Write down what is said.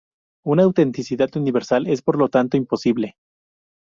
Una autenticidad universal es por lo tanto imposible.